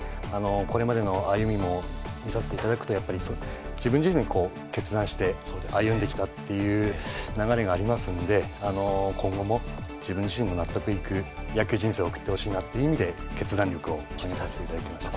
これまでの歩みも見させて頂くとやっぱり自分自身で決断して歩んできたっていう流れがありますんで今後も自分自身の納得いく野球人生を送ってほしいなという意味で「決断力」を書かせて頂きました。